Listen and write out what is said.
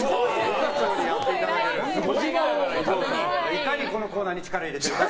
いかに、このコーナーに力を入れているか。